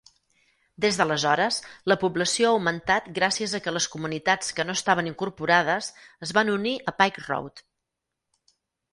Des d'aleshores, la població ha augmentat gràcies a que les comunitats que no estaven incorporades es van unir a Pike Road.